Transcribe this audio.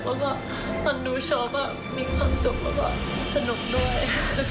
และก็ตอนดูชอบมีความสุขและสนุกด้วย